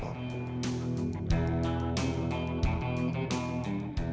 tapi bukan bion yang kita singkir